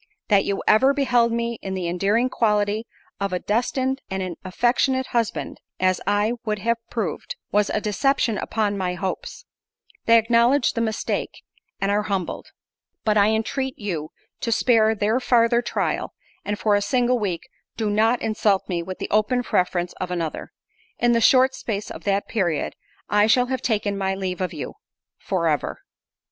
That you ever beheld me in the endearing quality of a destined and an affectionate husband, (such as I would have proved) was a deception upon my hopes: they acknowledge the mistake, and are humbled—but I entreat you to spare their farther trial, and for a single week do not insult me with the open preference of another. In the short space of that period I shall have taken my leave of you—for ever.